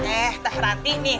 eh dah ranti nih